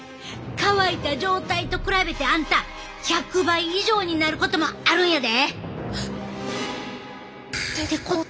乾いた状態と比べてあんた１００倍以上になることもあるんやで！